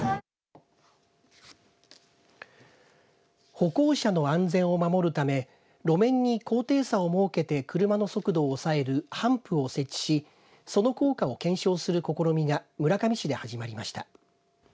歩行者の安全を守るため路面に高低差を設けて車の速度を抑えるハンプを設置しその効果を検証する試みが村上市で始まりました。